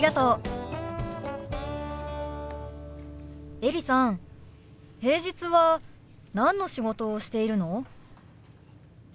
エリさん平日は何の仕事をしているの？